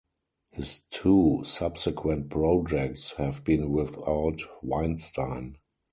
His two subsequent projects have been without Weinstein.